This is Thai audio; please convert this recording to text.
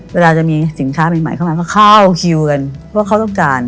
เวลาจะมีสินค้าใหม่เข้ามาก็เข้าคิวกันว่าเขาต้องการ